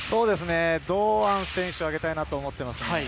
堂安選手を挙げたいなと思っています。